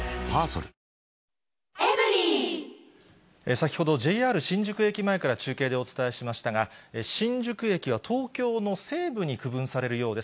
先ほど、ＪＲ新宿駅前から中継でお伝えしましたが、新宿駅は東京の西部に区分されるようです。